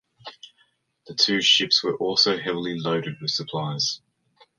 The two ships were also heavily loaded with supplies.